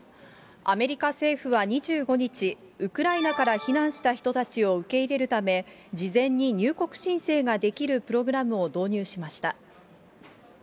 アメリカ政府は２５日、ウクライナから避難した人たちを受け入れるため、事前に入国申請ができるプログラムを導入しました。